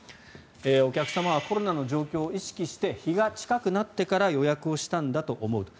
お客様はコロナの状況を意識して日が近くなってから予約をしたんだと思うと。